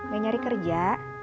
gak nyari kerja